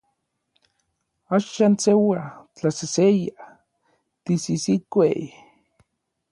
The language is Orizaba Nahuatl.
Axan seua, tlaseseya, tisisikuej.